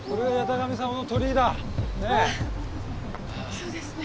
そうですね。